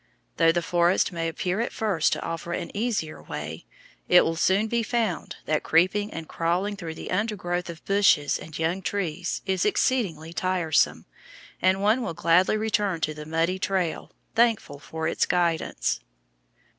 Though the forest may appear at first to offer an easier way, it will soon be found that creeping and crawling through the undergrowth of bushes and young trees is exceedingly tiresome, and one will gladly return to the muddy trail, thankful for its guidance.